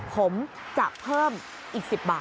ผมจะเพิ่มอีก๑๐บาท